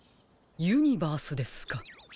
ユニバースですか。